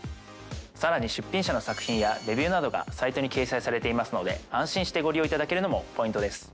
さらに出品者の作品やレビューなどがサイトに掲載されていますので安心してご利用いただけるのもポイントです。